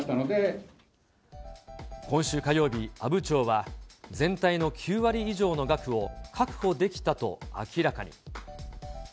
今週火曜日、阿武町は、全体の９割以上の額を確保できたと明らかに。